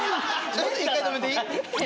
ちょっと１回止めていい？